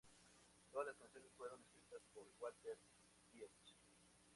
Todas las canciones fueron escritas por Walter Pietsch.